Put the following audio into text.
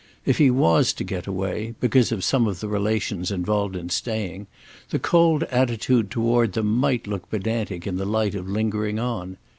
If he was to get away because of some of the relations involved in staying, the cold attitude toward them might look pedantic in the light of lingering on.